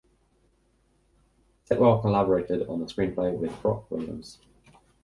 Sitwell collaborated on the screenplay with Brock Williams.